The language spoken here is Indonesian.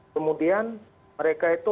kemudian mereka itu